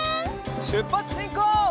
しゅっぱつしんこう！